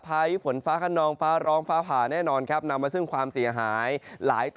ฝนฟ้าขนองฟ้าร้องฟ้าผ่าแน่นอนครับนำมาซึ่งความเสียหายหลายต่อ